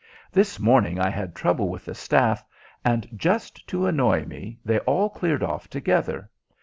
This morning I had trouble with the staff, and just to annoy me they all cleared off together.